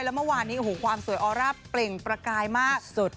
แล้วเมื่อวานนี้โอ้โหความสวยออร่าเปล่งประกายมากสุด